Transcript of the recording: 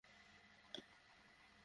উঠ, বিছানায় এসে শোও।